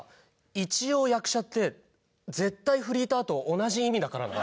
「一応役者」って「絶対フリーター」と同じ意味だからな。